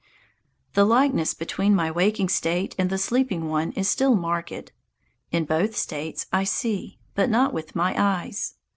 The likeness between my waking state and the sleeping one is still marked. In both states I see, but not with my eyes.